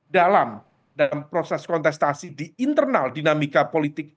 dalam dan proses kontestasi di internal dinamika politik